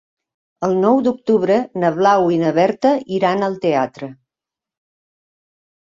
El nou d'octubre na Blau i na Berta iran al teatre.